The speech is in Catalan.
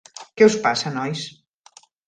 Què us passa nois?